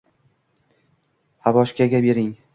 Havoshka ga bering